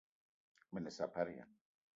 Me ne saparia !